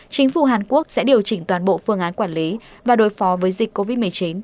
chính phủ hàn quốc sẽ điều chỉnh toàn bộ phương án quản lý và đối phó với dịch covid một mươi chín